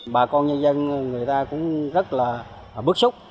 bà con nhân dân người ta cũng rất là bức xúc